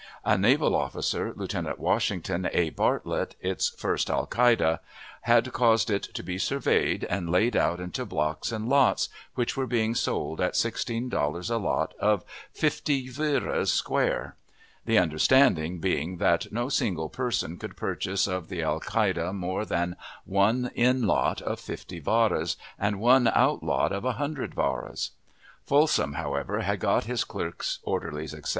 A naval officer, Lieutenant Washington A. Bartlett, its first alcalde, had caused it to be surveyed and laid out into blocks and lots, which were being sold at sixteen dollars a lot of fifty vuras square; the understanding being that no single person could purchase of the alcalde more than one in lot of fifty varas, and one out lot of a hundred varas. Folsom, however, had got his clerks, orderlies, etc.